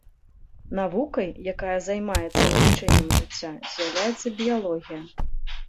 Навукай, якая займаецца вывучэннем жыцця, з'яўляецца біялогія.